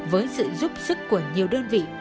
với sự giúp sức của nhiều đơn vị